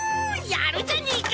やるじゃねえか！